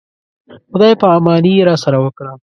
خدای په اماني یې راسره وکړه.